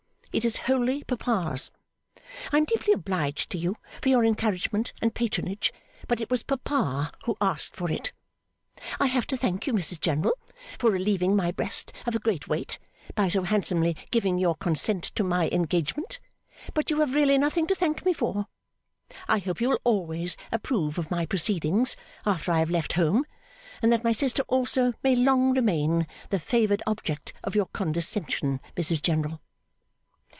It is wholly papa's. I am deeply obliged to you for your encouragement and patronage, but it was papa who asked for it. I have to thank you, Mrs General, for relieving my breast of a great weight by so handsomely giving your consent to my engagement, but you have really nothing to thank me for. I hope you will always approve of my proceedings after I have left home and that my sister also may long remain the favoured object of your condescension, Mrs General.